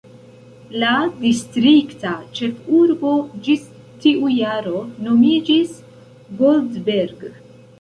La distrikta ĉefurbo ĝis tiu jaro nomiĝis "Goldberg".